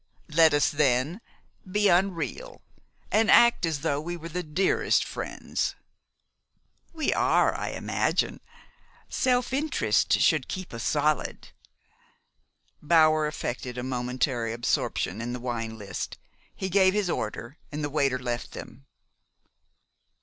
Let us, then, be unreal, and act as though we were the dearest friends." "We are, I imagine. Self interest should keep us solid." Bower affected a momentary absorption in the wine list. He gave his order, and the waiter left them.